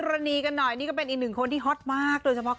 คือใบเฟิร์นเขาเป็นคนที่อยู่กับใครก็ได้ค่ะแล้วก็ตลกด้วย